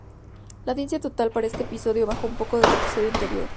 La audiencia total para este episodio bajó un poco del episodio anterior.